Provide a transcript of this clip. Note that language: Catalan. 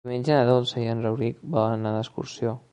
Diumenge na Dolça i en Rauric volen anar d'excursió.